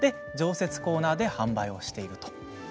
常設コーナーで販売しています。